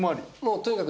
とにかく。